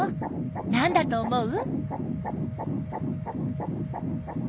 なんだと思う？